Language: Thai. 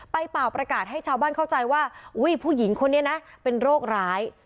เป่าประกาศให้ชาวบ้านเข้าใจว่าอุ้ยผู้หญิงคนนี้นะเป็นโรคร้าย